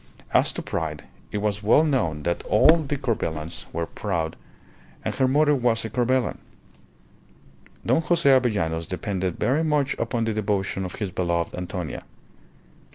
As to pride, it was well known that all the Corbelans were proud, and her mother was a Corbelan. Don Jose Avellanos depended very much upon the devotion of his beloved Antonia.